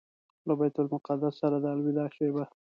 له بیت المقدس سره د الوداع شېبه.